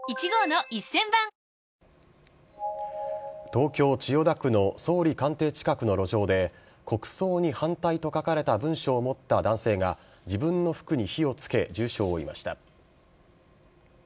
東京・千代田区の総理官邸近くの路上で国葬に反対と書かれた文書を持った男性が自分の服に火をつけ重傷を負いました。